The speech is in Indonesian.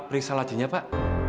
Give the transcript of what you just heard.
periksa lacinya pak